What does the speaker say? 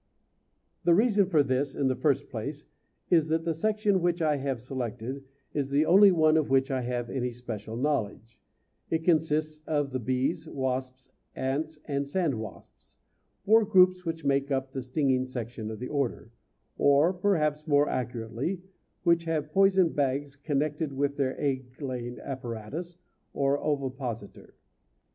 The reason for this, in the first place, is that the section which I have selected is the only one of which I have any special knowledge; it consists of the bees, wasps, ants and sandwasps, four groups which make up the stinging section of the order or perhaps more accurately, which have poison bags connected with their egg laying apparatus or ovipositor.